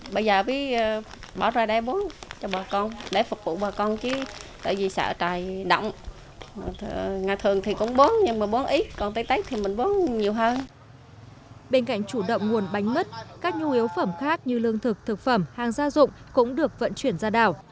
bên cạnh chủ động nguồn bánh mứt các nhu yếu phẩm khác như lương thực thực phẩm hàng gia dụng cũng được vận chuyển ra đảo